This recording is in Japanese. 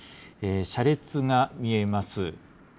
車列が見えます。